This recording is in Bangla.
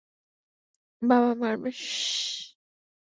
বাবা মারবে, শশশশ্।